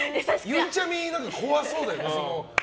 ゆいちゃみ、怖そうだよね。